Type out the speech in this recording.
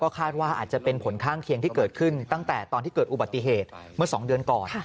คาดว่าอาจจะเป็นผลข้างเคียงที่เกิดขึ้นตั้งแต่ตอนที่เกิดอุบัติเหตุเมื่อ๒เดือนก่อน